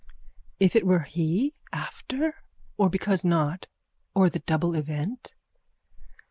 _ If it were he? After? Or because not? Or the double event?